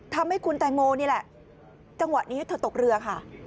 ทำให้คุณแตงโมนี่แหละจังหวะนี้เธอตกเรือค่ะ